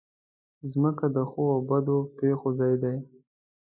مځکه د ښو او بدو پېښو ځای ده.